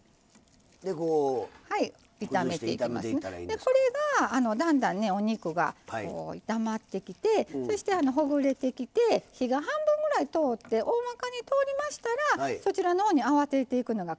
でこれがだんだんねお肉がこう炒まってきてそしてほぐれてきて火が半分ぐらい通っておおまかに通りましたらそちらの方に合わせていくのがこちらですね